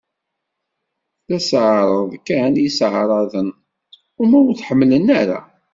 D aseɛreḍ kan i sseɛraḍen, uma ur t-ḥemmlen ara.